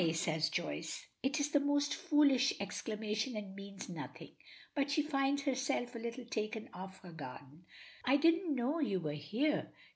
_" says Joyce. It is the most foolish exclamation and means nothing, but she finds herself a little taken off her guard. "I didn't know you were here!"